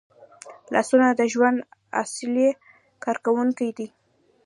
لاسونه د ژوند اصلي کارکوونکي دي